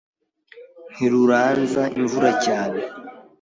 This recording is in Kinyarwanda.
Ntiruranza imvura cyane